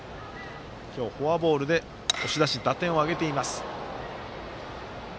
今日、フォアボールで押し出し打点を挙げています。